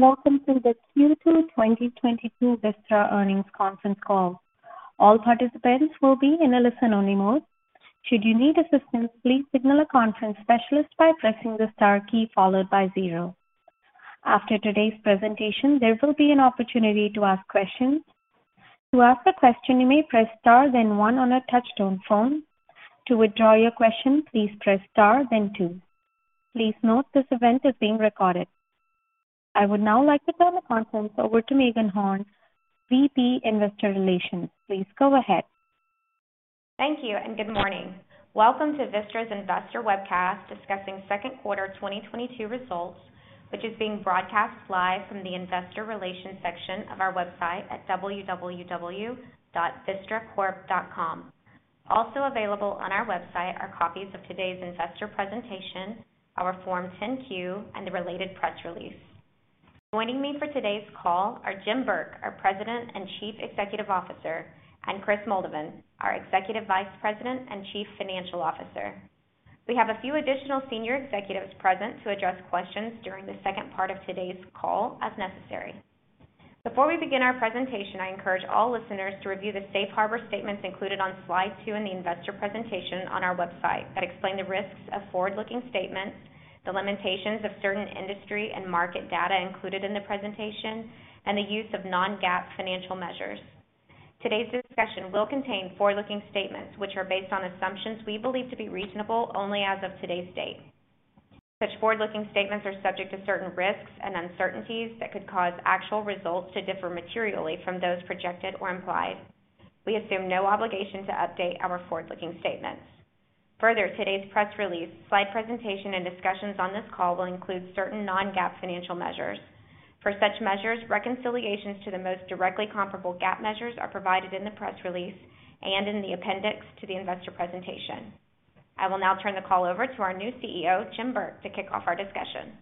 Welcome to the Q2 2022 Vistra Earnings Conference Call. All participants will be in a listen-only mode. Should you need assistance, please signal a conference specialist by pressing the star key followed by zero. After today's presentation, there will be an opportunity to ask questions. To ask a question, you may press star then one on a touch-tone phone. To withdraw your question, please press star then two. Please note this event is being recorded. I would now like to turn the conference over to Meagan Horn, VP, Investor Relations. Please go ahead. Thank you and good morning. Welcome to Vistra's Investor Webcast discussing second quarter 2022 results, which is being broadcast live from the investor relations section of our website at www.vistracorp.com. Also available on our website are copies of today's investor presentation, our Form 10-Q, and the related press release. Joining me for today's call are Jim Burke, our President and Chief Executive Officer, and Kris Moldovan, our Executive Vice President and Chief Financial Officer. We have a few additional senior executives present to address questions during the second part of today's call, as necessary. Before we begin our presentation, I encourage all listeners to review the safe harbor statements included on Slide two in the investor presentation on our website that explain the risks of forward-looking statements, the limitations of certain industry and market data included in the presentation, and the use of non-GAAP financial measures. Today's discussion will contain forward-looking statements, which are based on assumptions we believe to be reasonable only as of today's date. Such forward-looking statements are subject to certain risks and uncertainties that could cause actual results to differ materially from those projected or implied. We assume no obligation to update our forward-looking statements. Further, today's press release, slide presentation, and discussions on this call will include certain non-GAAP financial measures. For such measures, reconciliations to the most directly comparable GAAP measures are provided in the press release and in the appendix to the investor presentation. I will now turn the call over to our new CEO, Jim Burke, to kick off our discussion.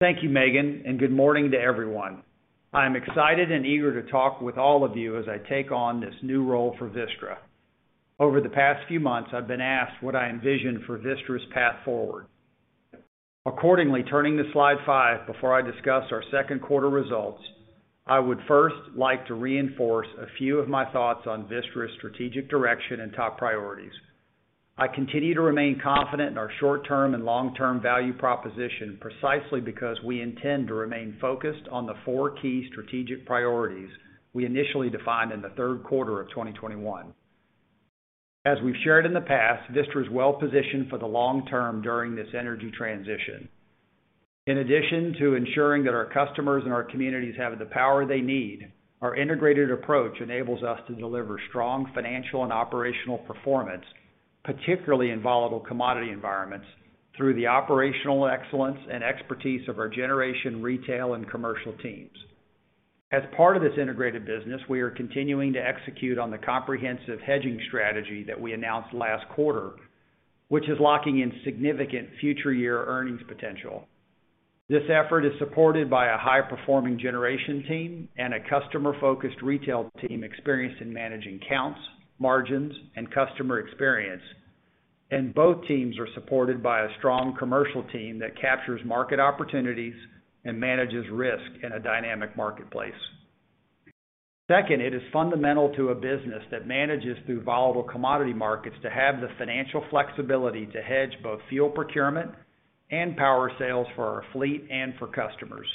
Thank you, Meagan, and good morning to everyone. I'm excited and eager to talk with all of you as I take on this new role for Vistra. Over the past few months, I've been asked what I envision for Vistra's path forward. Accordingly, turning to Slide five, before I discuss our second quarter results, I would first like to reinforce a few of my thoughts on Vistra's strategic direction and top priorities. I continue to remain confident in our short-term and long-term value proposition precisely because we intend to remain focused on the four key strategic priorities we initially defined in the third quarter of 2021. As we've shared in the past, Vistra is well-positioned for the long term during this energy transition. In addition to ensuring that our customers and our communities have the power they need, our integrated approach enables us to deliver strong financial and operational performance, particularly in volatile commodity environments, through the operational excellence and expertise of our generation, retail, and commercial teams. As part of this integrated business, we are continuing to execute on the comprehensive hedging strategy that we announced last quarter, which is locking in significant future year earnings potential. This effort is supported by a high-performing generation team and a customer-focused retail team experienced in managing counts, margins, and customer experience. Both teams are supported by a strong commercial team that captures market opportunities and manages risk in a dynamic marketplace. Second, it is fundamental to a business that manages through volatile commodity markets to have the financial flexibility to hedge both fuel procurement and power sales for our fleet and for customers.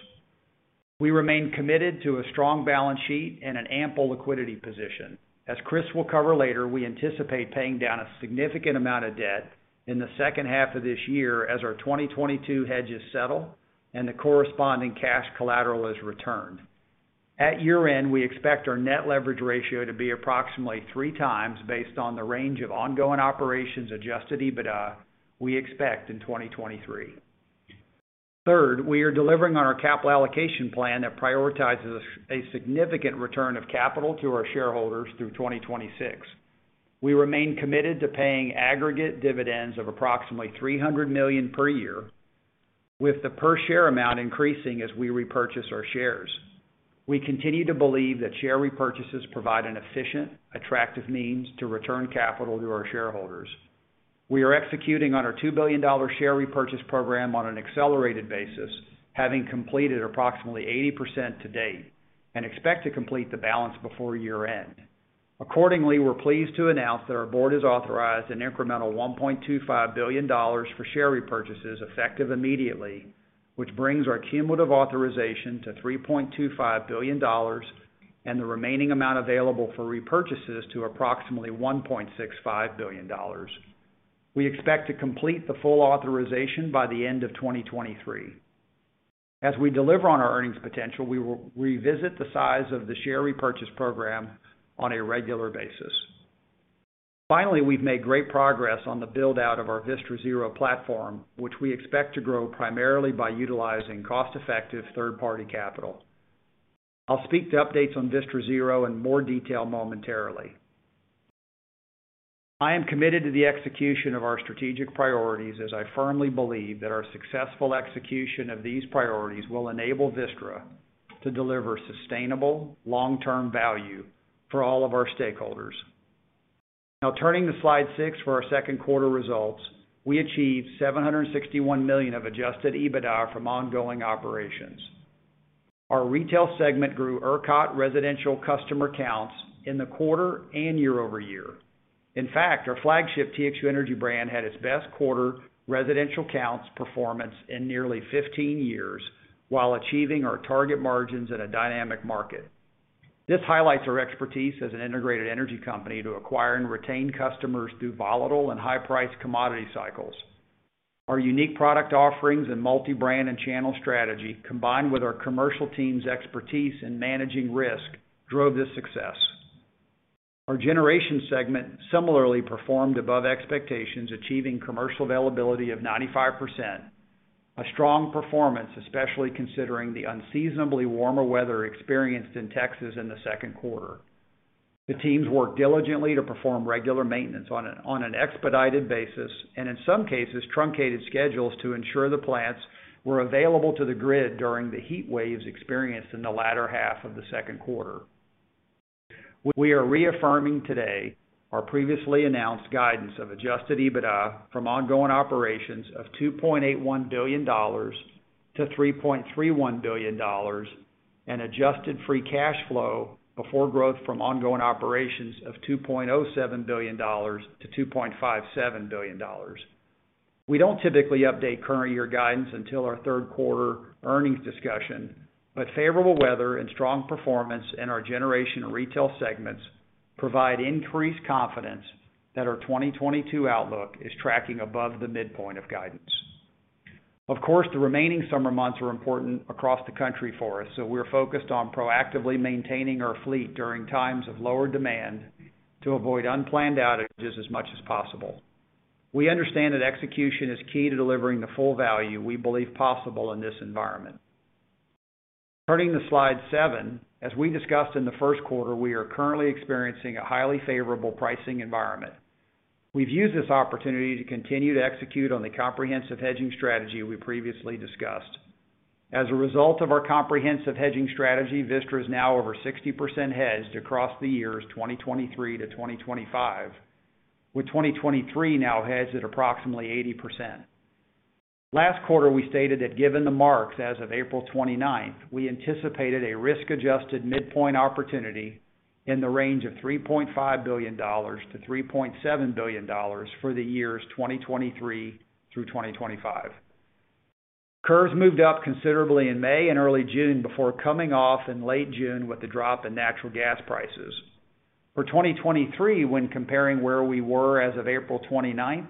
We remain committed to a strong balance sheet and an ample liquidity position. As Kris will cover later, we anticipate paying down a significant amount of debt in the second half of this year as our 2022 hedges settle and the corresponding cash collateral is returned. At year-end, we expect our net leverage ratio to be approximately 3x based on the range of ongoing operations adjusted EBITDA we expect in 2023. Third, we are delivering on our capital allocation plan that prioritizes a significant return of capital to our shareholders through 2026. We remain committed to paying aggregate dividends of approximately $300 million per year, with the per share amount increasing as we repurchase our shares. We continue to believe that share repurchases provide an efficient, attractive means to return capital to our shareholders. We are executing on our $2 billion share repurchase program on an accelerated basis, having completed approximately 80% to date, and expect to complete the balance before year-end. Accordingly, we're pleased to announce that our board has authorized an incremental $1.25 billion for share repurchases effective immediately, which brings our cumulative authorization to $3.25 billion and the remaining amount available for repurchases to approximately $1.65 billion. We expect to complete the full authorization by the end of 2023. As we deliver on our earnings potential, we will revisit the size of the share repurchase program on a regular basis. Finally, we've made great progress on the build-out of our Vistra Zero platform, which we expect to grow primarily by utilizing cost-effective third-party capital. I'll speak to updates on Vistra Zero in more detail momentarily. I am committed to the execution of our strategic priorities as I firmly believe that our successful execution of these priorities will enable Vistra to deliver sustainable long-term value for all of our stakeholders. Now turning to Slide six for our second quarter results. We achieved $761 million of adjusted EBITDA from ongoing operations. Our retail segment grew ERCOT residential customer counts in the quarter and year-over-year. In fact, our flagship TXU Energy brand had its best quarter residential counts performance in nearly 15 years while achieving our target margins in a dynamic market. This highlights our expertise as an integrated energy company to acquire and retain customers through volatile and high-priced commodity cycles. Our unique product offerings and multi-brand and channel strategy, combined with our commercial team's expertise in managing risk, drove this success. Our generation segment similarly performed above expectations, achieving commercial availability of 95%, a strong performance, especially considering the unseasonably warmer weather experienced in Texas in the second quarter. The teams worked diligently to perform regular maintenance on an expedited basis, and in some cases, truncated schedules to ensure the plants were available to the grid during the heat waves experienced in the latter half of the second quarter. We are reaffirming today our previously announced guidance of adjusted EBITDA from ongoing operations of $2.81 billion-$3.31 billion and adjusted free cash flow before growth from ongoing operations of $2.07 billion to $2.57 billion. We don't typically update current year guidance until our third quarter earnings discussion, but favorable weather and strong performance in our generation and retail segments provide increased confidence that our 2022 outlook is tracking above the midpoint of guidance. Of course, the remaining summer months are important across the country for us, so we're focused on proactively maintaining our fleet during times of lower demand to avoid unplanned outages as much as possible. We understand that execution is key to delivering the full value we believe possible in this environment. Turning to Slide seven. As we discussed in the first quarter, we are currently experiencing a highly favorable pricing environment. We've used this opportunity to continue to execute on the comprehensive hedging strategy we previously discussed. As a result of our comprehensive hedging strategy, Vistra is now over 60% hedged across the years 2023 to 2025, with 2023 now hedged at approximately 80%. Last quarter, we stated that given the marks as of April 29th, we anticipated a risk-adjusted midpoint opportunity in the range of $3.5 billion-$3.7 billion for the years 2023 through 2025. Curves moved up considerably in May and early June before coming off in late June with the drop in natural gas prices. For 2023, when comparing where we were as of April 29th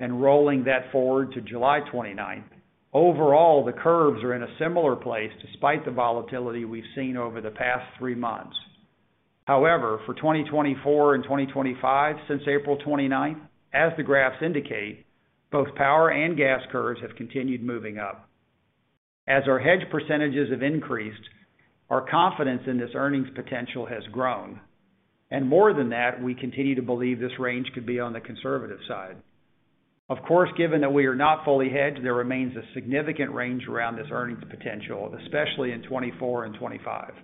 and rolling that forward to July 29th, overall, the curves are in a similar place despite the volatility we've seen over the past three months. However, for 2024 and 2025, since April 29th, as the graphs indicate, both power and gas curves have continued moving up. As our hedge percentages have increased, our confidence in this earnings potential has grown. More than that, we continue to believe this range could be on the conservative side. Of course, given that we are not fully hedged, there remains a significant range around this earnings potential, especially in 2024 and 2025.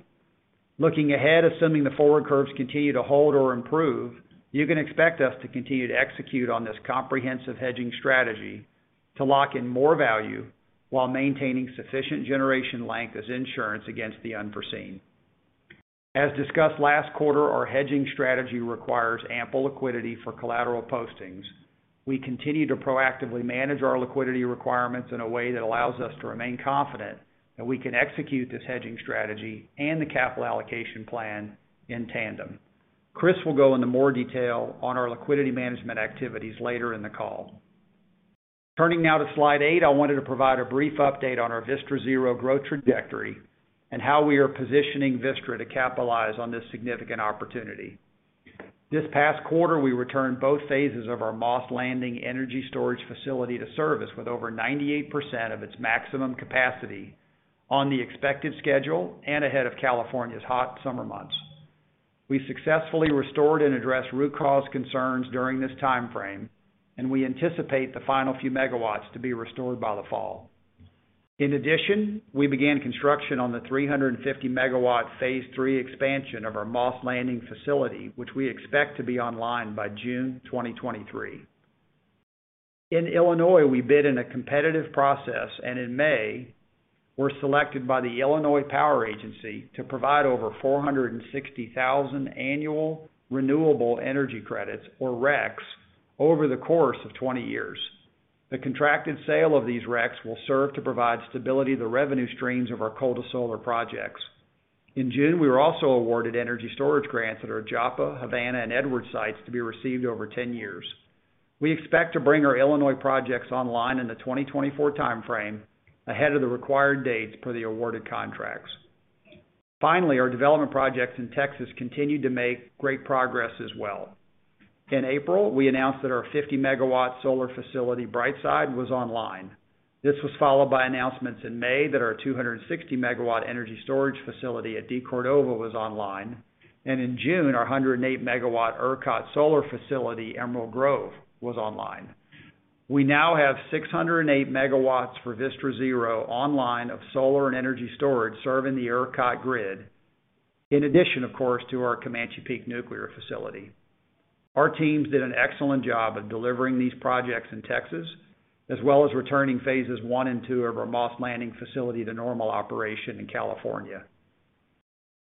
Looking ahead, assuming the forward curves continue to hold or improve, you can expect us to continue to execute on this comprehensive hedging strategy to lock in more value while maintaining sufficient generation length as insurance against the unforeseen. As discussed last quarter, our hedging strategy requires ample liquidity for collateral postings. We continue to proactively manage our liquidity requirements in a way that allows us to remain confident that we can execute this hedging strategy and the capital allocation plan in tandem. Kris will go into more detail on our liquidity management activities later in the call. Turning now to Slide eight. I wanted to provide a brief update on our Vistra Zero growth trajectory and how we are positioning Vistra to capitalize on this significant opportunity. This past quarter, we returned both phases of our Moss Landing energy storage facility to service with over 98% of its maximum capacity on the expected schedule and ahead of California's hot summer months. We successfully restored and addressed root cause concerns during this time frame, and we anticipate the final few megawatts to be restored by the fall. In addition, we began construction on the 350-MW phase III expansion of our Moss Landing facility, which we expect to be online by June 2023. In Illinois, we bid in a competitive process, and in May, were selected by the Illinois Power Agency to provide over 460,000 annual renewable energy credits, or RECs, over the course of 20 years. The contracted sale of these RECs will serve to provide stability to the revenue streams of our coal to solar projects. In June, we were also awarded energy storage grants at our Joppa, Havana, and Edwards sites to be received over 10 years. We expect to bring our Illinois projects online in the 2024 timeframe, ahead of the required dates per the awarded contracts. Finally, our development projects in Texas continued to make great progress as well. In April, we announced that our 50 MW solar facility, Brightside, was online. This was followed by announcements in May that our 260 MW energy storage facility at DeCordova was online, and in June, our 108 MW ERCOT solar facility, Emerald Grove, was online. We now have 608 MW for Vistra Zero online of solar and energy storage serving the ERCOT grid. In addition, of course, to our Comanche Peak nuclear facility. Our teams did an excellent job of delivering these projects in Texas, as well as returning phase I and phase II of our Moss Landing facility to normal operation in California.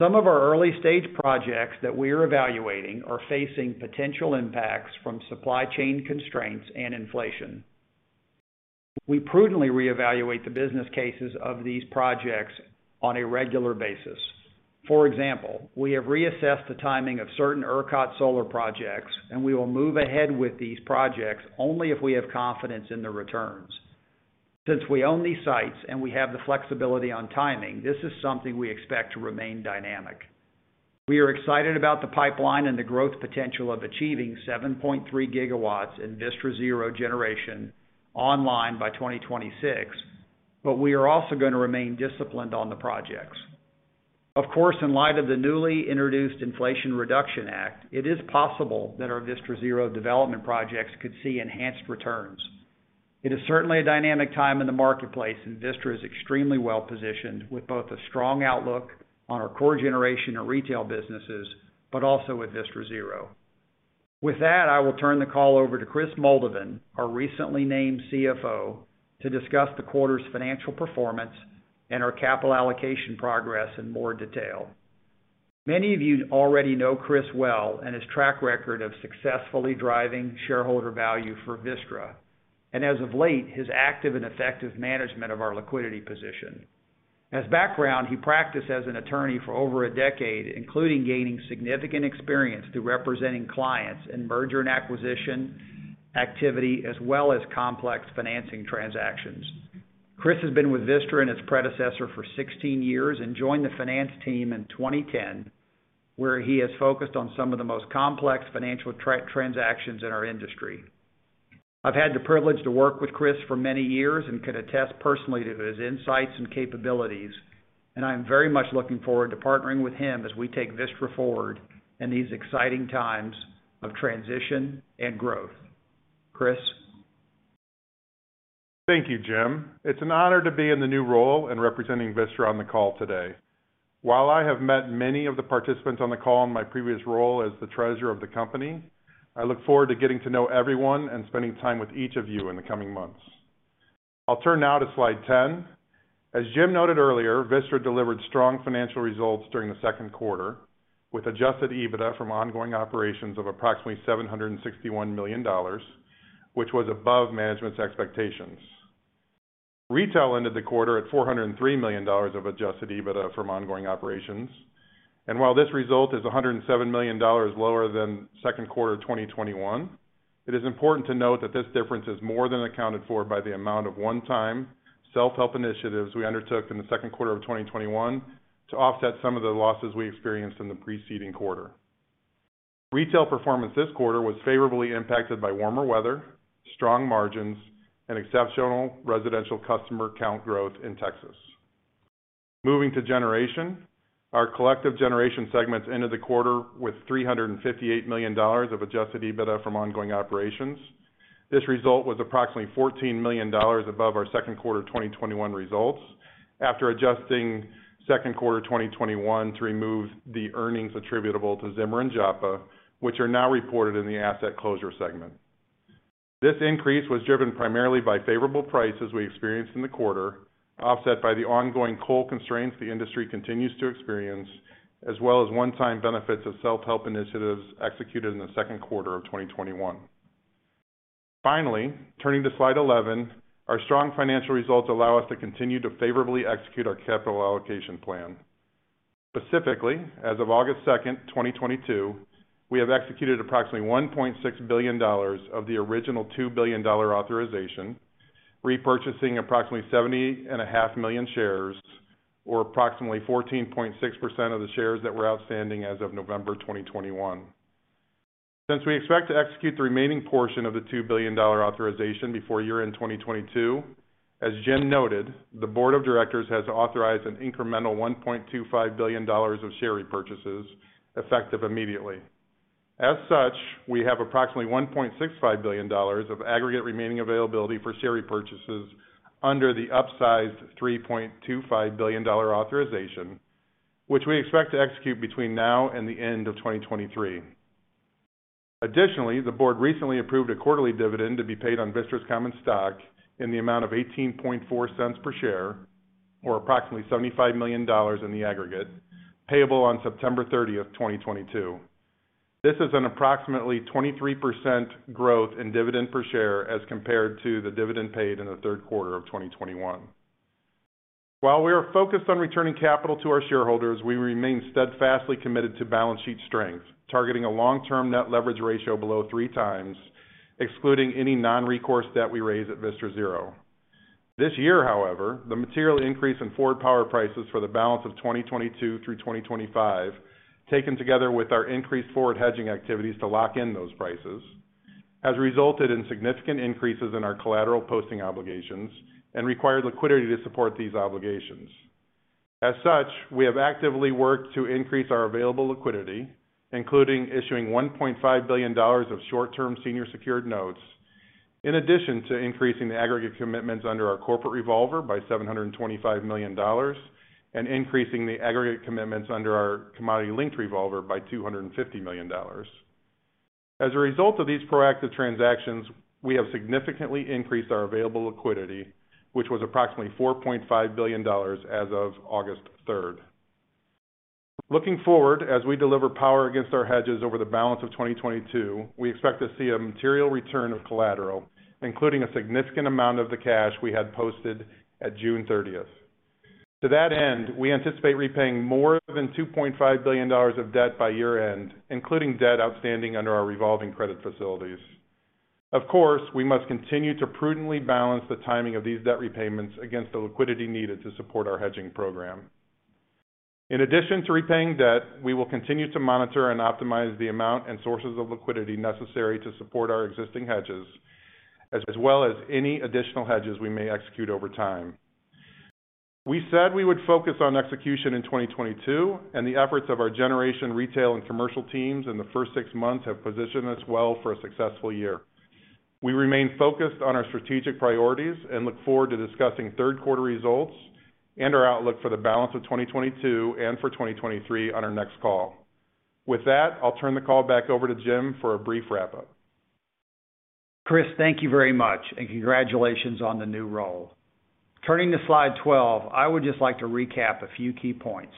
Some of our early-stage projects that we are evaluating are facing potential impacts from supply chain constraints and inflation. We prudently reevaluate the business cases of these projects on a regular basis. For example, we have reassessed the timing of certain ERCOT solar projects, and we will move ahead with these projects only if we have confidence in the returns. Since we own these sites and we have the flexibility on timing, this is something we expect to remain dynamic. We are excited about the pipeline and the growth potential of achieving 7.3 gigawatts in Vistra Zero generation online by 2026, but we are also going to remain disciplined on the projects. Of course, in light of the newly introduced Inflation Reduction Act, it is possible that our Vistra Zero development projects could see enhanced returns. It is certainly a dynamic time in the marketplace, and Vistra is extremely well-positioned with both a strong outlook on our core generation and retail businesses, but also with Vistra Zero. With that, I will turn the call over to Kris Moldovan, our recently named CFO, to discuss the quarter's financial performance and our capital allocation progress in more detail. Many of you already know Kris well and his track record of successfully driving shareholder value for Vistra. As of late, his active and effective management of our liquidity position. As background, he practiced as an attorney for over a decade, including gaining significant experience through representing clients in merger and acquisition activity, as well as complex financing transactions. Kris has been with Vistra and its predecessor for 16 years and joined the finance team in 2010, where he has focused on some of the most complex financial transactions in our industry. I've had the privilege to work with Kris for many years and can attest personally to his insights and capabilities, and I am very much looking forward to partnering with him as we take Vistra forward in these exciting times of transition and growth. Kris. Thank you, Jim. It's an honor to be in the new role in representing Vistra on the call today. While I have met many of the participants on the call in my previous role as the treasurer of the company, I look forward to getting to know everyone and spending time with each of you in the coming months. I'll turn now to slide 10. As Jim noted earlier, Vistra delivered strong financial results during the second quarter, with adjusted EBITDA from ongoing operations of approximately $761 million, which was above management's expectations. Retail ended the quarter at $403 million of adjusted EBITDA from ongoing operations. While this result is $107 million lower than second quarter of 2021, it is important to note that this difference is more than accounted for by the amount of one-time self-help initiatives we undertook in the second quarter of 2021 to offset some of the losses we experienced in the preceding quarter. Retail performance this quarter was favorably impacted by warmer weather, strong margins, and exceptional residential customer count growth in Texas. Moving to generation, our collective generation segments ended the quarter with $358 million of adjusted EBITDA from ongoing operations. This result was approximately $14 million above our second quarter 2021 results. After adjusting second quarter 2021 to remove the earnings attributable to Zimmer and Joppa, which are now reported in the Asset Closure segment. This increase was driven primarily by favorable prices we experienced in the quarter, offset by the ongoing coal constraints the industry continues to experience, as well as one-time benefits of self-help initiatives executed in the second quarter of 2021. Finally, turning to slide 11, our strong financial results allow us to continue to favorably execute our capital allocation plan. Specifically, as of August 2, 2022, we have executed approximately $1.6 billion of the original $2 billion authorization, repurchasing approximately 70.5 million shares, or approximately 14.6% of the shares that were outstanding as of November 2021. Since we expect to execute the remaining portion of the $2 billion authorization before year-end 2022, as Jim noted, the board of directors has authorized an incremental $1.25 billion of share repurchases effective immediately. As such, we have approximately $1.65 billion of aggregate remaining availability for share repurchases under the upsized $3.25 billion authorization, which we expect to execute between now and the end of 2023. Additionally, the board recently approved a quarterly dividend to be paid on Vistra's common stock in the amount of $0.184 per share or approximately $75 million in the aggregate, payable on September 30, 2022. This is an approximately 23% growth in dividend per share as compared to the dividend paid in the third quarter of 2021. While we are focused on returning capital to our shareholders, we remain steadfastly committed to balance sheet strength, targeting a long-term net leverage ratio below 3x, excluding any non-recourse debt we raise at Vistra Zero. This year, however, the material increase in forward power prices for the balance of 2022 through 2025, taken together with our increased forward hedging activities to lock in those prices, has resulted in significant increases in our collateral posting obligations and require liquidity to support these obligations. As such, we have actively worked to increase our available liquidity, including issuing $1.5 billion of short-term senior secured notes, in addition to increasing the aggregate commitments under our corporate revolver by $725 million and increasing the aggregate commitments under our commodity-linked revolver by $250 million. As a result of these proactive transactions, we have significantly increased our available liquidity, which was approximately $4.5 billion as of August 3. Looking forward, as we deliver power against our hedges over the balance of 2022, we expect to see a material return of collateral, including a significant amount of the cash we had posted at June 30th. To that end, we anticipate repaying more than $2.5 billion of debt by year-end, including debt outstanding under our revolving credit facilities. Of course, we must continue to prudently balance the timing of these debt repayments against the liquidity needed to support our hedging program. In addition to repaying debt, we will continue to monitor and optimize the amount and sources of liquidity necessary to support our existing hedges, as well as any additional hedges we may execute over time. We said we would focus on execution in 2022, and the efforts of our generation, retail, and commercial teams in the first six months have positioned us well for a successful year. We remain focused on our strategic priorities and look forward to discussing third quarter results and our outlook for the balance of 2022 and for 2023 on our next call. With that, I'll turn the call back over to Jim for a brief wrap-up. Kris, thank you very much, and congratulations on the new role. Turning to Slide 12, I would just like to recap a few key points.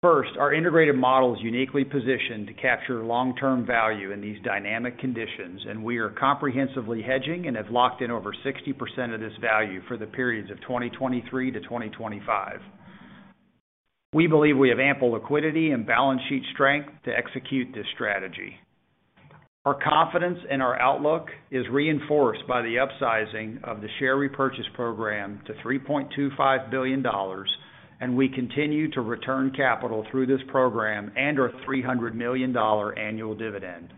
First, our integrated model is uniquely positioned to capture long-term value in these dynamic conditions, and we are comprehensively hedging and have locked in over 60% of this value for the periods of 2023 to 2025. We believe we have ample liquidity and balance sheet strength to execute this strategy. Our confidence in our outlook is reinforced by the upsizing of the share repurchase program to $3.25 billion, and we continue to return capital through this program and our $300 million annual dividend.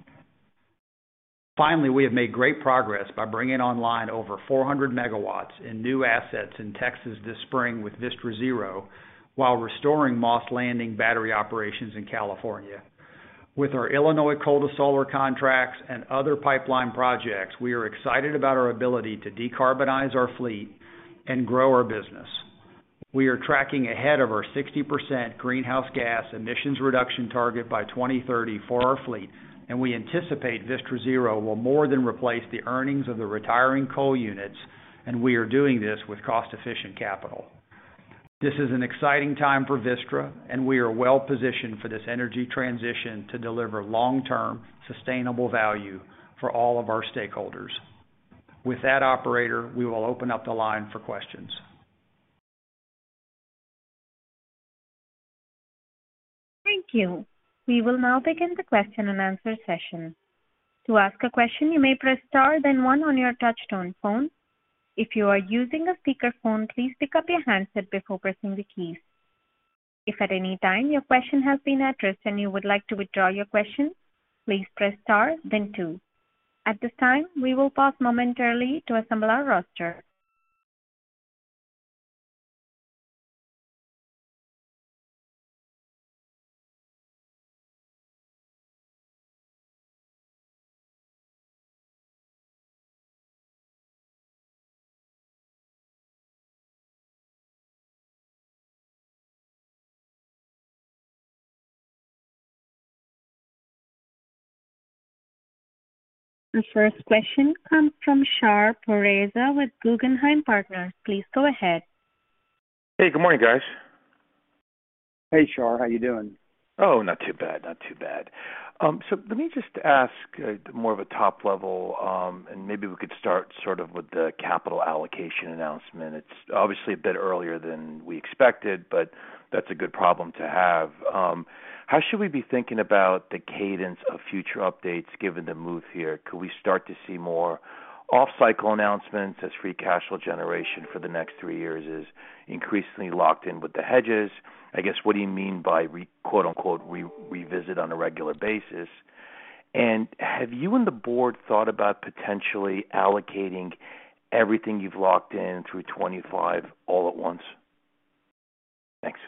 Finally, we have made great progress by bringing online over 400 MW in new assets in Texas this spring with Vistra Zero while restoring Moss Landing battery operations in California. With our Illinois coal to solar contracts and other pipeline projects, we are excited about our ability to decarbonize our fleet and grow our business. We are tracking ahead of our 60% greenhouse gas emissions reduction target by 2030 for our fleet, and we anticipate Vistra Zero will more than replace the earnings of the retiring coal units, and we are doing this with cost-efficient capital. This is an exciting time for Vistra, and we are well positioned for this energy transition to deliver long-term sustainable value for all of our stakeholders. With that, operator, we will open up the line for questions. Thank you. We will now begin the question and answer session. To ask a question, you may press star, then one on your touchtone phone. If you are using a speakerphone, please pick up your handset before pressing the keys. If at any time your question has been addressed and you would like to withdraw your question, please press star then two. At this time, we will pause momentarily to assemble our roster. The first question comes from Shar Pourreza with Guggenheim Partners. Please go ahead. Hey, good morning, guys. Hey, Shar. How are you doing? Oh, not too bad. Not too bad. Let me just ask more of a top level, and maybe we could start sort of with the capital allocation announcement. It's obviously a bit earlier than we expected, but that's a good problem to have. How should we be thinking about the cadence of future updates given the move here? Could we start to see more off-cycle announcements as free cash flow generation for the next three years is increasingly locked in with the hedges? I guess, what do you mean by, quote-unquote, revisit on a regular basis? And have you and the board thought about potentially allocating everything you've locked in through 2025 all at once? Thanks.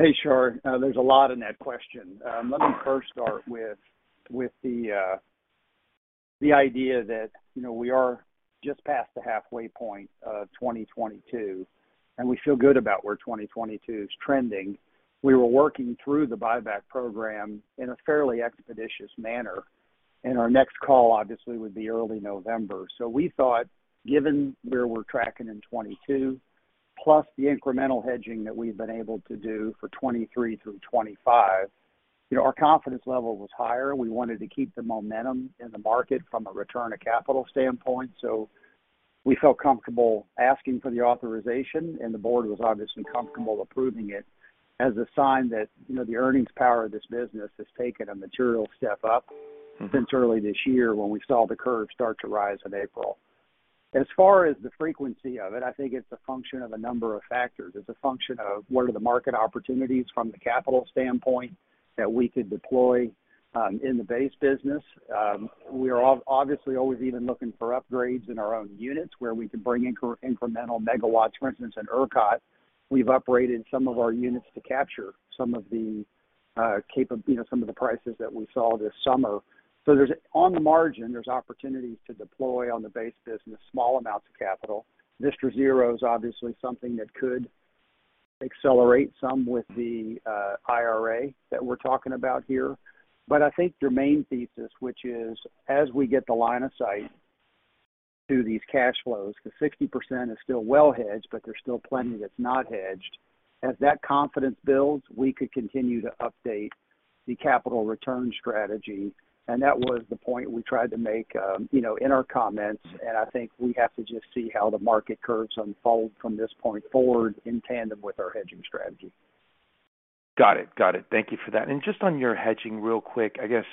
Hey, Shar. There's a lot in that question. Let me first start with the idea that, you know, we are just past the halfway point of 2022, and we feel good about where 2022 is trending. We were working through the buyback program in a fairly expeditious manner, and our next call obviously would be early November. We thought, given where we're tracking in 2022, plus the incremental hedging that we've been able to do for 2023 through 2025, you know, our confidence level was higher. We wanted to keep the momentum in the market from a return of capital standpoint. We felt comfortable asking for the authorization, and the board was obviously comfortable approving it as a sign that, you know, the earnings power of this business has taken a material step up since early this year when we saw the curve start to rise in April. As far as the frequency of it, I think it's a function of a number of factors. It's a function of what are the market opportunities from the capital standpoint that we could deploy. In the base business, we are obviously always looking for upgrades in our own units where we can bring incremental megawatts. For instance, in ERCOT, we've operated some of our units to capture some of the, you know, prices that we saw this summer. On the margin, there's opportunities to deploy on the base business, small amounts of capital. Vistra Zero is obviously something that could accelerate some with the IRA that we're talking about here. I think your main thesis, which is as we get the line of sight to these cash flows, 'cause 60% is still well hedged, but there's still plenty that's not hedged. As that confidence builds, we could continue to update the capital return strategy, and that was the point we tried to make, you know, in our comments, and I think we have to just see how the market curves unfold from this point forward in tandem with our hedging strategy. Got it. Thank you for that. Just on your hedging real quick, I guess,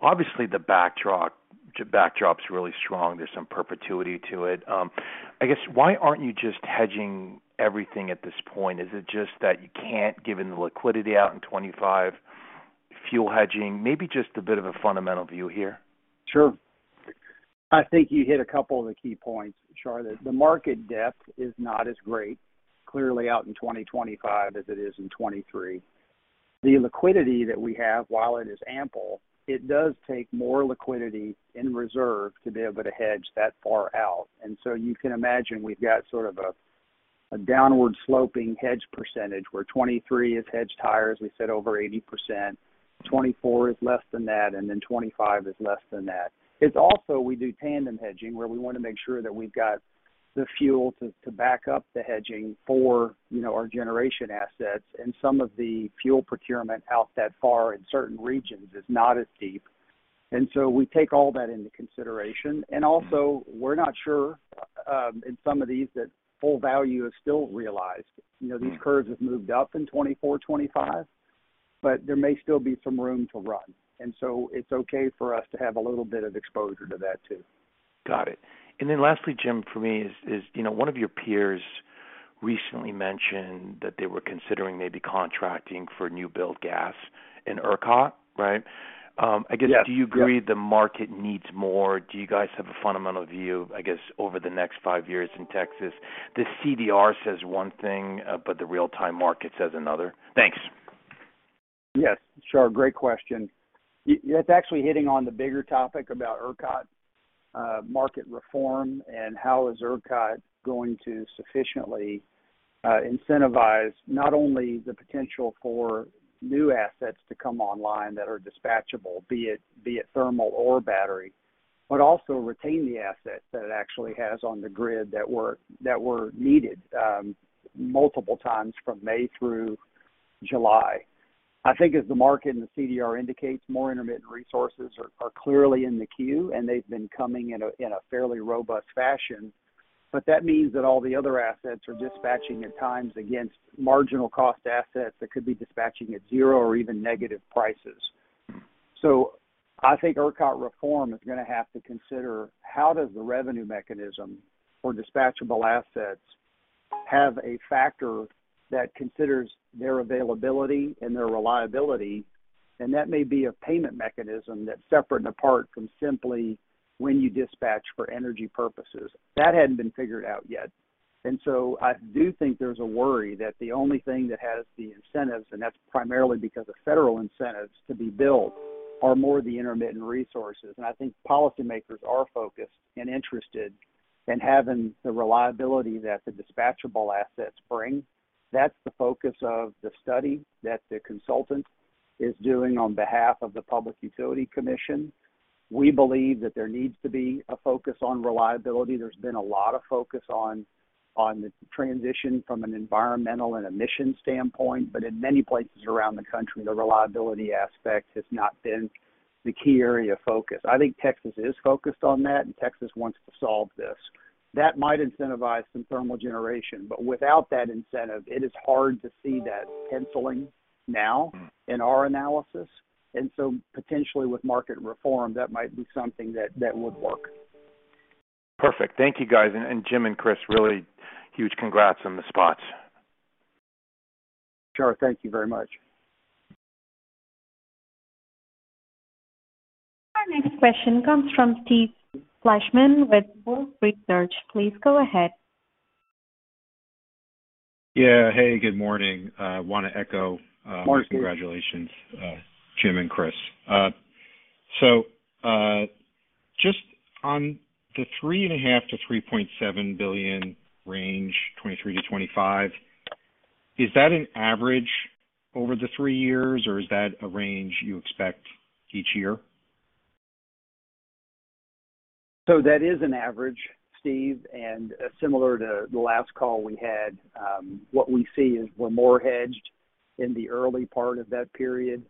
obviously the backdrop's really strong. There's some perpetuity to it. I guess, why aren't you just hedging everything at this point? Is it just that you can't, given the liquidity out in 25 fuel hedging? Maybe just a bit of a fundamental view here. Sure. I think you hit a couple of the key points, Shar. The market depth is not as great clearly out in 2025 as it is in 2023. The liquidity that we have, while it is ample, it does take more liquidity in reserve to be able to hedge that far out. You can imagine we've got sort of a downward sloping hedge percentage, where 2023 is hedged higher, as we said, over 80%, 2024 is less than that, and then 2025 is less than that. It's also we do tandem hedging, where we wanna make sure that we've got the fuel to back up the hedging for, you know, our generation assets, and some of the fuel procurement out that far in certain regions is not as deep. We take all that into consideration. We're not sure in some of these that full value is still realized. You know, these curves have moved up in 2024, 2025, but there may still be some room to run. It's okay for us to have a little bit of exposure to that too. Got it. Lastly, Jim, for me is, you know, one of your peers recently mentioned that they were considering maybe contracting for new build gas in ERCOT, right? I guess. Yes. Do you agree the market needs more? Do you guys have a fundamental view, I guess, over the next five years in Texas? The CDR says one thing, but the real-time market says another. Thanks. Yes. Sure. Great question. It's actually hitting on the bigger topic about ERCOT, market reform and how is ERCOT going to sufficiently incentivize not only the potential for new assets to come online that are dispatchable, be it thermal or battery, but also retain the assets that it actually has on the grid that were needed multiple times from May through July. I think as the market and the CDR indicates, more intermittent resources are clearly in the queue, and they've been coming in a fairly robust fashion. That means that all the other assets are dispatching at times against marginal cost assets that could be dispatching at zero or even negative prices. I think ERCOT reform is gonna have to consider how does the revenue mechanism for dispatchable assets have a factor that considers their availability and their reliability, and that may be a payment mechanism that's separate and apart from simply when you dispatch for energy purposes. That hadn't been figured out yet. I do think there's a worry that the only thing that has the incentives, and that's primarily because of federal incentives to be built, are more the intermittent resources. I think policymakers are focused and interested in having the reliability that the dispatchable assets bring. That's the focus of the study that the consultant is doing on behalf of the Public Utility Commission. We believe that there needs to be a focus on reliability. There's been a lot of focus on the transition from an environmental and emissions standpoint, but in many places around the country, the reliability aspect has not been the key area of focus. I think Texas is focused on that, and Texas wants to solve this. That might incentivize some thermal generation, but without that incentive, it is hard to see that penciling now in our analysis. Potentially with market reform, that might be something that would work. Perfect. Thank you, guys. Jim and Kris, really huge congrats on the spots. Sure. Thank you very much. Our next question comes from Steve Fleishman with Wolfe Research. Please go ahead. Yeah. Hey, good morning. Wanna echo- Morning -congratulations, Jim and Kris. Just on the $3.5 to $3.7 billion range, 2023-2025, is that an average over the three years, or is that a range you expect each year? That is an average, Steve. Similar to the last call we had, what we see is we're more hedged in the early part of that period,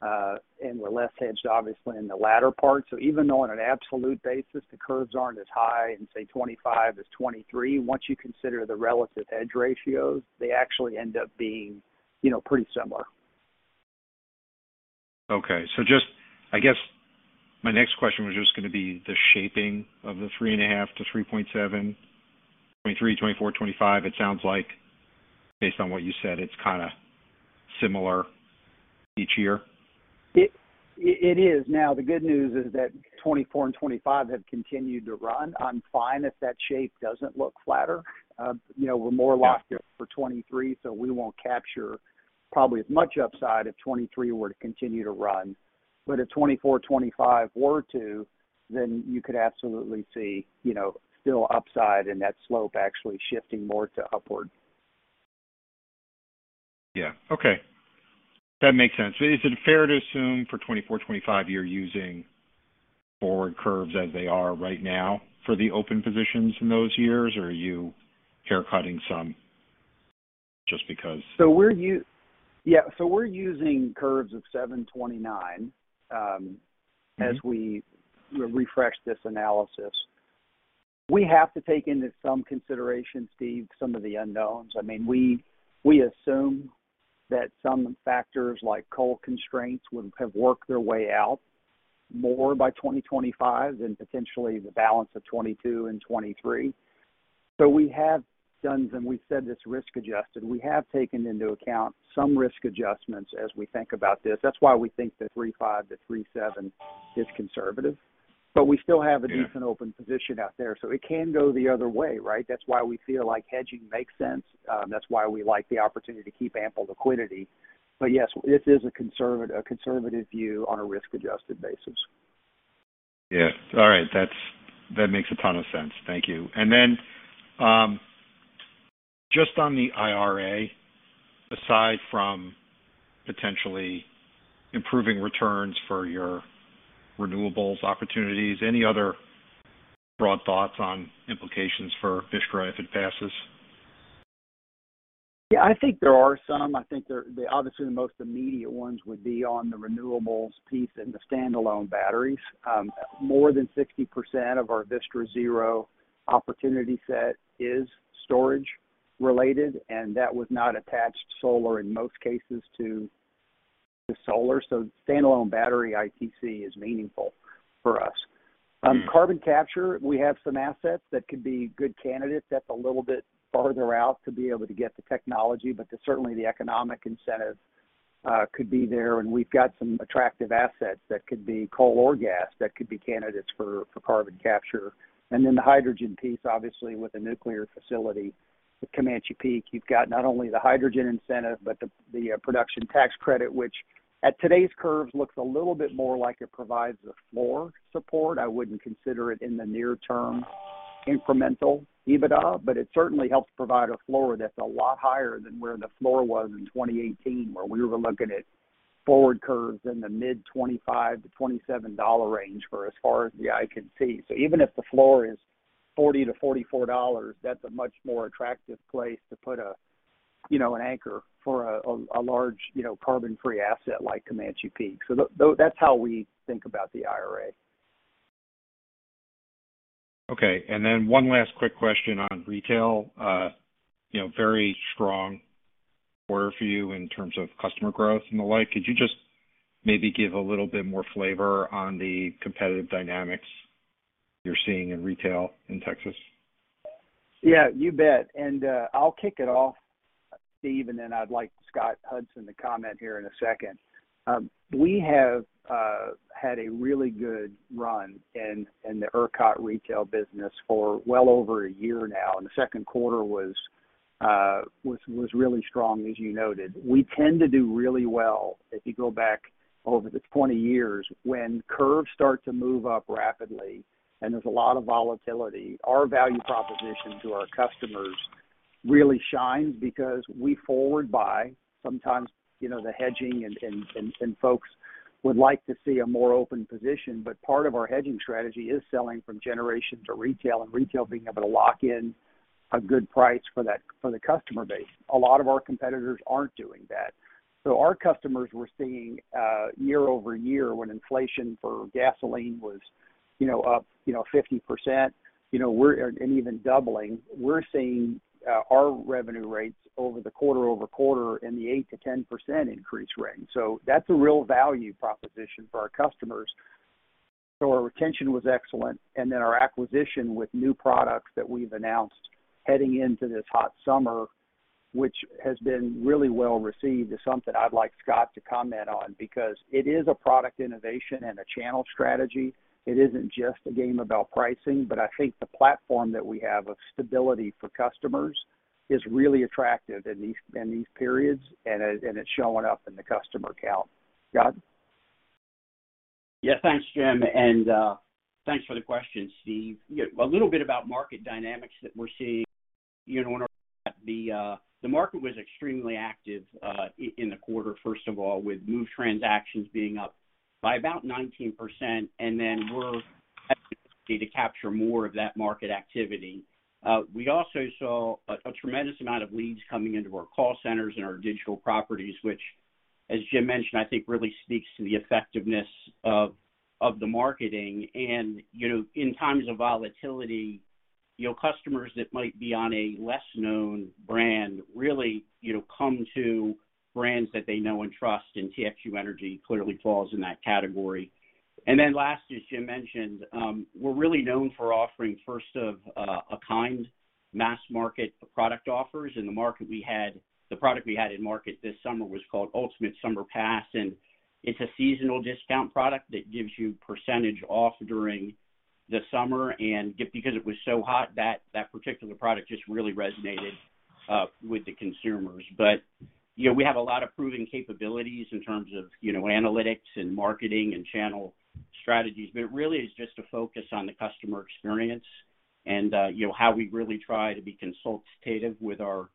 and we're less hedged, obviously, in the latter part. Even though on an absolute basis, the curves aren't as high in, say, 2025 as 2023, once you consider the relative hedge ratios, they actually end up being, you know, pretty similar. Okay. I guess my next question was just gonna be the shaping of the 3.5-3.7, 2023, 2024, 2025. It sounds like, based on what you said, it's kinda similar each year? It is. Now, the good news is that 2024 and 2025 have continued to run. I'm fine if that shape doesn't look flatter. You know, we're more locked in for 2023, so we won't capture probably as much upside if 2023 were to continue to run. If 2024, 2025 were to, then you could absolutely see, you know, still upside and that slope actually shifting more to upward. Yeah. Okay. That makes sense. Is it fair to assume for 2024, 2025, you're using forward curves as they are right now for the open positions in those years? Or are you haircutting some just because? Yeah. We're using curves of 729. As we refresh this analysis. We have to take into some consideration, Steve, some of the unknowns. I mean, we assume that some factors like coal constraints would have worked their way out more by 2025 than potentially the balance of 2022 and 2023. We have done, and we've said this risk-adjusted, we have taken into account some risk adjustments as we think about this. That's why we think the 3.5 to 3.7 is conservative. We still have a decent open position out there, so it can go the other way, right? That's why we feel like hedging makes sense. That's why we like the opportunity to keep ample liquidity. Yes, this is a conservative view on a risk-adjusted basis. Yeah. All right. That makes a ton of sense. Thank you. Just on the IRA, aside from potentially improving returns for your renewables opportunities, any other broad thoughts on implications for Vistra if it passes? Yeah, I think there are some. I think they're obviously, the most immediate ones would be on the renewables piece and the stand-alone batteries. More than 60% of our Vistra Zero opportunity set is storage related, and that was not attached solar in most cases to the solar. So stand-alone battery ITC is meaningful for us. Carbon capture, we have some assets that could be good candidates. That's a little bit farther out to be able to get the technology, but certainly the economic incentive could be there. We've got some attractive assets that could be coal or gas that could be candidates for carbon capture. Then the hydrogen piece, obviously with a nuclear facility, the Comanche Peak, you've got not only the hydrogen incentive, but the production tax credit, which at today's curves looks a little bit more like it provides a floor support. I wouldn't consider it in the near term incremental EBITDA, but it certainly helps provide a floor that's a lot higher than where the floor was in 2018, where we were looking at forward curves in the mid $25 to $27 range for as far as the eye can see. Even if the floor is $40 to $44, that's a much more attractive place to put a, you know, an anchor for a large, you know, carbon-free asset like Comanche Peak. That's how we think about the IRA. Okay. One last quick question on retail. You know, very strong quarter for you in terms of customer growth and the like. Could you just maybe give a little bit more flavor on the competitive dynamics you're seeing in retail in Texas? Yeah, you bet. I'll kick it off, Steve, and then I'd like Scott Hudson to comment here in a second. We have had a really good run in the ERCOT retail business for well over a year now, and the second quarter was really strong, as you noted. We tend to do really well if you go back over the 20 years when curves start to move up rapidly and there's a lot of volatility. Our value proposition to our customers really shines because we forward buy sometimes, you know, the hedging and folks would like to see a more open position. Part of our hedging strategy is selling from generation to retail and retail being able to lock in a good price for that for the customer base. A lot of our competitors aren't doing that. Our customers were seeing year-over-year when inflation for gasoline was, you know, up, you know, 50% and even doubling. You know, we're seeing our revenue rates quarter-over-quarter in the 8% to 10% increase range. That's a real value proposition for our customers. Our retention was excellent. Then our acquisition with new products that we've announced heading into this hot summer, which has been really well received, is something I'd like Scott to comment on because it is a product innovation and a channel strategy. It isn't just a game about pricing, but I think the platform that we have of stability for customers is really attractive in these periods, and it's showing up in the customer count. Scott? Yeah. Thanks, Jim, and thanks for the question, Steve. A little bit about market dynamics that we're seeing year-to-date. The market was extremely active in the quarter, first of all, with move transactions being up by about 19%, and then we're able to capture more of that market activity. We also saw a tremendous amount of leads coming into our call centers and our digital properties, which, as Jim mentioned, I think really speaks to the effectiveness of the marketing. You know, in times of volatility, you know, customers that might be on a less known brand really, you know, come to brands that they know and trust, and TXU Energy clearly falls in that category. Then last, as Jim mentioned, we're really known for offering first of a kind mass-market product offers. The product we had in market this summer was called Ultimate Summer Pass, and it's a seasonal discount product that gives you percentage off during the summer. Because it was so hot, that particular product just really resonated with the consumers. You know, we have a lot of proven capabilities in terms of you know, analytics and marketing and channel strategies. It really is just a focus on the customer experience and you know, how we really try to be consultative with our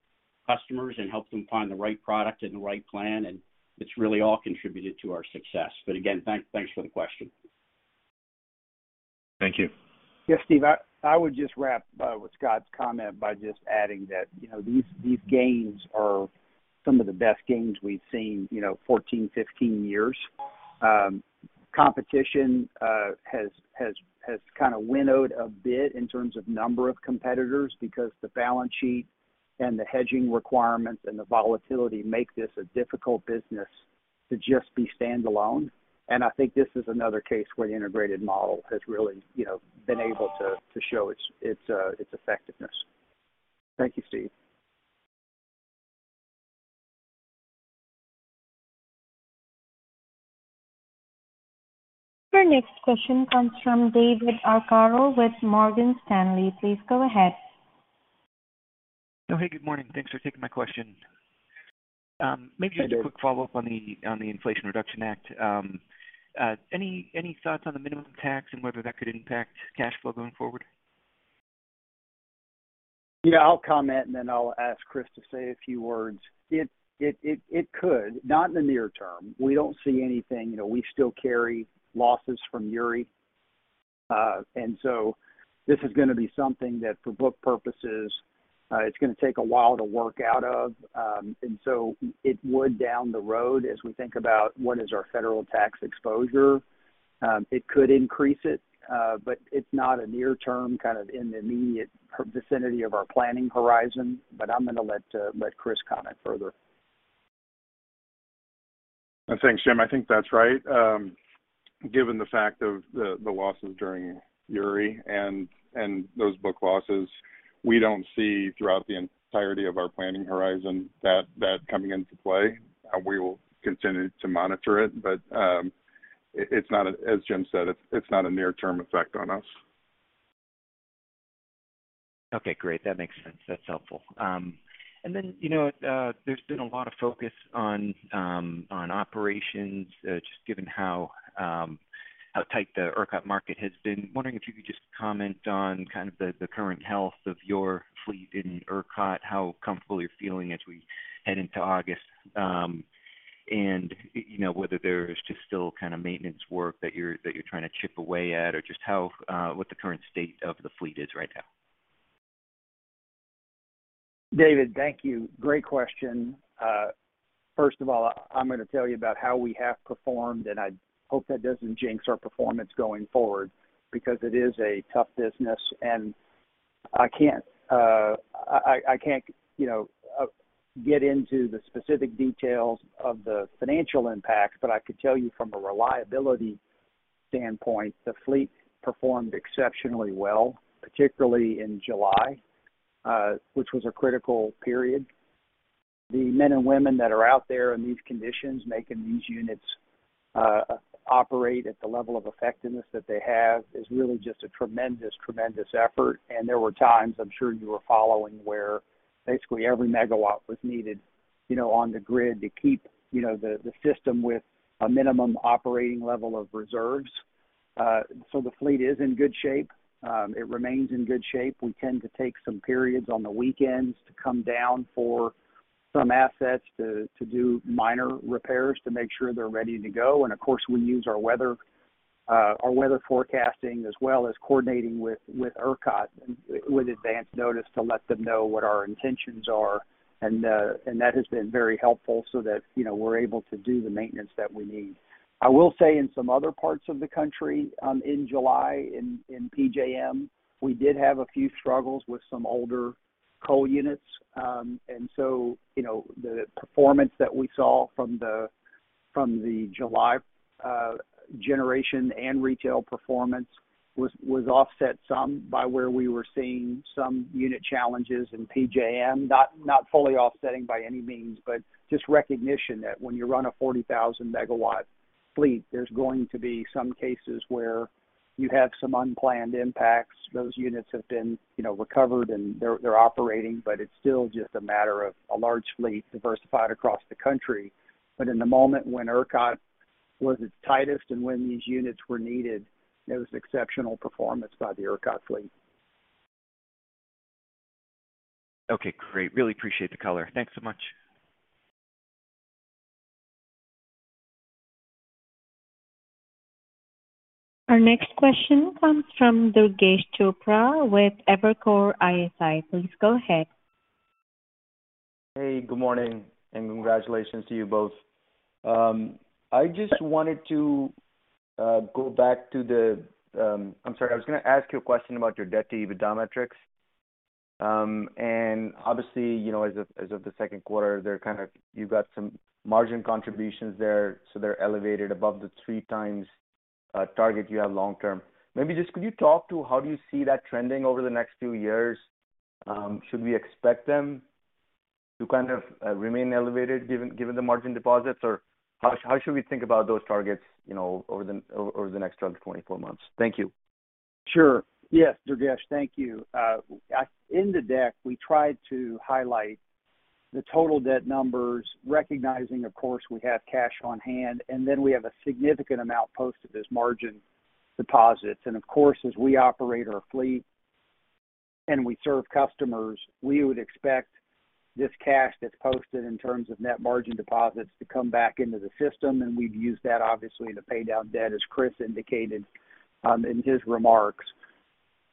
customers and help them find the right product and the right plan, and it's really all contributed to our success. Again, thanks for the question. Thank you. Yes, Steven. I would just wrap with Scott's comment by just adding that, you know, these gains are some of the best gains we've seen, you know, 14-15 years. Competition has kind of winnowed a bit in terms of number of competitors because the balance sheet and the hedging requirements and the volatility make this a difficult business to just be standalone. I think this is another case where the integrated model has really, you know, been able to show its effectiveness. Thank you, Steven. Your next question comes from David Arcaro with Morgan Stanley. Please go ahead. Good morning. Thanks for taking my question. Hi, David. Maybe just a quick follow-up on the Inflation Reduction Act. Any thoughts on the minimum tax and whether that could impact cash flow going forward? Yeah, I'll comment, and then I'll ask Kris to say a few words. It could, not in the near term. We don't see anything. You know, we still carry losses from Uri. This is gonna be something that, for book purposes, it's got to take a while to work out of. It would down the road as we think about what is our federal tax exposure. It could increase it, but it's not a near-term kind of in the immediate vicinity of our planning horizon. I'm gonna let Kris comment further. Thanks, Jim. I think that's right. Given the fact of the losses during Uri and those book losses, we don't see throughout the entirety of our planning horizon that coming into play. We will continue to monitor it, but as Jim said, it's not a near-term effect on us. Okay, great. That makes sense. That's helpful. You know, there's been a lot of focus on operations, just given how tight the ERCOT market has been. Wondering if you could just comment on kind of the current health of your fleet in ERCOT, how comfortable you're feeling as we head into August. You know, whether there's just still kind of maintenance work that you're trying to chip away at or just what the current state of the fleet is right now. David, thank you. Great question. First of all, I'm gonna tell you about how we have performed, and I hope that doesn't jinx our performance going forward because it is a tough business. I can't, you know, get into the specific details of the financial impacts, but I could tell you from a reliability standpoint, the fleet performed exceptionally well, particularly in July, which was a critical period. The men and women that are out there in these conditions making these units operate at the level of effectiveness that they have is really just a tremendous effort. There were times, I'm sure you were following, where basically every megawatt was needed, you know, on the grid to keep, you know, the system with a minimum operating level of reserves. So the fleet is in good shape. It remains in good shape. We tend to take some periods on the weekends to come down for some assets to do minor repairs to make sure they're ready to go. Of course, we use our weather forecasting as well as coordinating with ERCOT with advance notice to let them know what our intentions are. That has been very helpful so that, you know, we're able to do the maintenance that we need. I will say in some other parts of the country, in July in PJM, we did have a few struggles with some older coal units. You know, the performance that we saw from the July generation and retail performance was offset some by where we were seeing some unit challenges in PJM. Not fully offsetting by any means, but just recognition that when you run a 40,000 MW fleet, there's going to be some cases where you have some unplanned impacts. Those units have been, you know, recovered and they're operating, but it's still just a matter of a large fleet diversified across the country. In the moment when ERCOT was its tightest and when these units were needed, it was exceptional performance by the ERCOT fleet. Okay, great. Really appreciate the color. Thanks so much. Our next question comes from Durgesh Chopra with Evercore ISI. Please go ahead. Hey, good morning, and congratulations to you both. I'm sorry. I was gonna ask you a question about your debt-to-EBITDA metrics. Obviously, you know, as of the second quarter, you've got some margin contributions there, so they're elevated above the 3x target you have long-term. Maybe just could you talk to how do you see that trending over the next two years? Should we expect them to kind of remain elevated given the margin deposits? Or how should we think about those targets, you know, over the next 12 to 24 months? Thank you. Sure. Yes, Durgesh. Thank you. In the deck, we tried to highlight the total debt numbers, recognizing, of course, we have cash on hand, and then we have a significant amount posted as margin deposits. Of course, as we operate our fleet and we serve customers, we would expect this cash that's posted in terms of net margin deposits to come back into the system, and we'd use that obviously to pay down debt, as Kris indicated, in his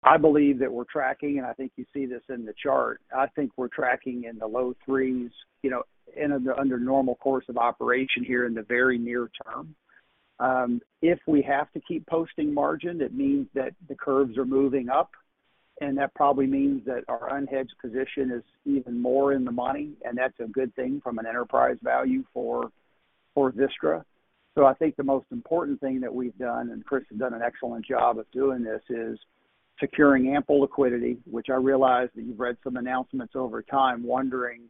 remarks. I believe that we're tracking, and I think you see this in the chart. I think we're tracking in the low threes, you know, under the normal course of operation here in the very near term. If we have to keep posting margin, it means that the curves are moving up, and that probably means that our unhedged position is even more in the money, and that's a good thing from an enterprise value for Vistra. I think the most important thing that we've done, and Kris has done an excellent job of doing this, is securing ample liquidity, which I realize that you've read some announcements over time wondering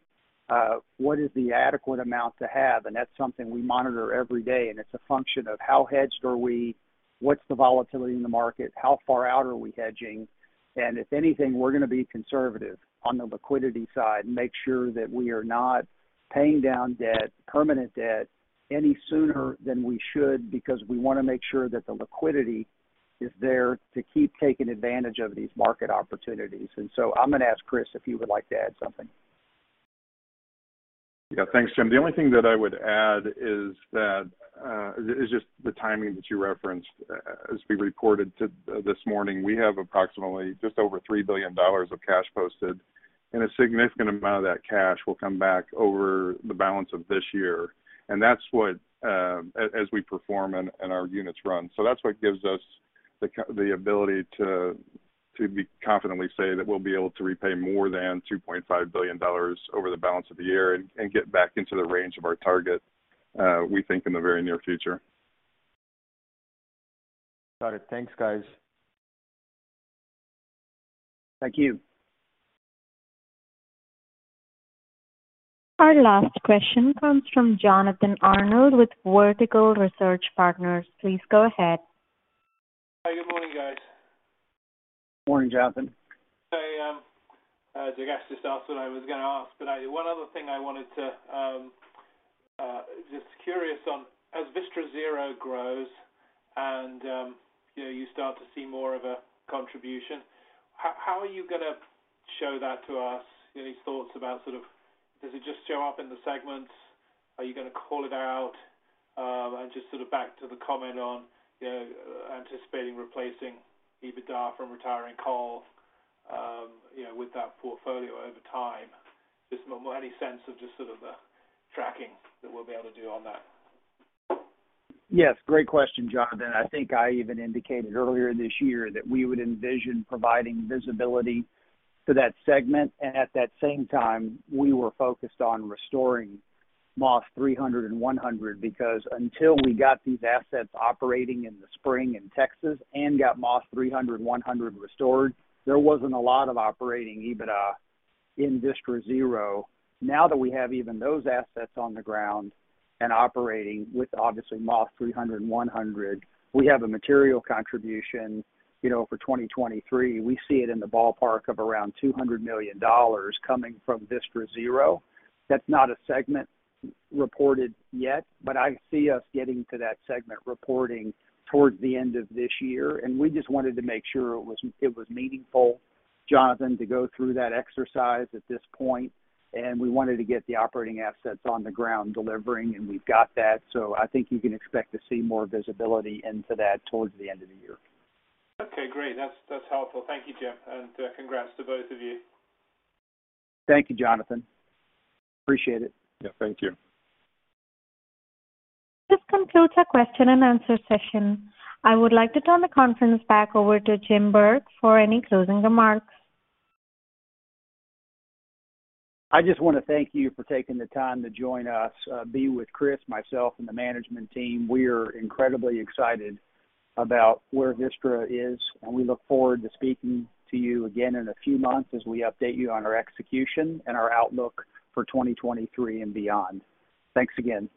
what is the adequate amount to have. That's something we monitor every day, and it's a function of how hedged are we, what's the volatility in the market, how far out are we hedging. If anything, we're gonna be conservative on the liquidity side and make sure that we are not paying down debt, permanent debt, any sooner than we should, because we wanna make sure that the liquidity is there to keep taking advantage of these market opportunities. I'm gonna ask Kris if he would like to add something. Yeah. Thanks, Jim. The only thing that I would add is just the timing that you referenced. As we reported this morning, we have approximately just over $3 billion of cash posted, and a significant amount of that cash will come back over the balance of this year. That's what as we perform and our units run. That's what gives us the ability to confidently say that we'll be able to repay more than $2.5 billion over the balance of the year and get back into the range of our target, we think in the very near future. Got it. Thanks, guys. Thank you. Our last question comes from Jonathan Arnold with Vertical Research Partners. Please go ahead. Hi. Good morning, guys. Morning, Jonathan. Durgesh just asked what I was gonna ask, but one other thing I wanted to, just curious on, as Vistra Zero grows and, you know, you start to see more of a contribution, how are you gonna show that to us? Any thoughts about sort of does it just show up in the segments? Are you gonna call it out? And just sort of back to the comment on, you know, anticipating replacing EBITDA from retiring coal, you know, with that portfolio over time. Just any sense of just sort of the tracking that we'll be able to do on that? Yes. Great question, Jonathan. I think I even indicated earlier this year that we would envision providing visibility to that segment. At that same time, we were focused on restoring Moss 300 and 100, because until we got these assets operating in the spring in Texas and got Moss 300 and 100 restored, there wasn't a lot of operating EBITDA in Vistra Zero. Now that we have even those assets on the ground and operating with obviously Moss 300 and 100, we have a material contribution. You know, for 2023, we see it in the ballpark of around $200 million coming from Vistra Zero. That's not a segment reported yet, but I see us getting to that segment reporting towards the end of this year. We just wanted to make sure it was meaningful, Jonathan, to go through that exercise at this point. We wanted to get the operating assets on the ground delivering, and we've got that. I think you can expect to see more visibility into that towards the end of the year. Okay, great. That's helpful. Thank you, Jim, and congrats to both of you. Thank you, Jonathan. Appreciate it. Yeah, thank you. This concludes our question and answer session. I would like to turn the conference back over to Jim Burke for any closing remarks. I just wanna thank you for taking the time to join us. Be with Kris, myself, and the management team, we are incredibly excited about where Vistra is, and we look forward to speaking to you again in a few months as we update you on our execution and our outlook for 2023 and beyond. Thanks again.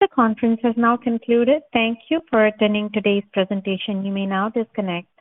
The conference has now concluded. Thank you for attending today's presentation. You may now disconnect.